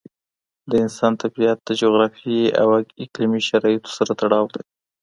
د انسان طبیعت د جغرافیایي او اقليمي شرایطو سره تړاو لري.